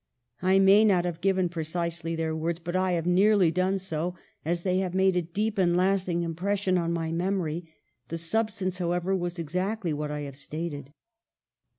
I. may not have given precisely their words, but I have nearly done so, as they have made a deep and lasting impression on my memory. The substance, however, was exactly what I have stated."